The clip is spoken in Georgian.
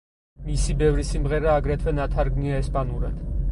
მისი ბევრი სიმღერა აგრეთვე ნათარგმნია ესპანურად.